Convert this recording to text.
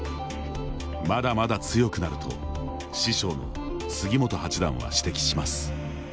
まだまだ強くなると師匠の杉本八段は指摘します。